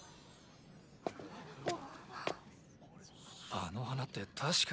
あの花って確か。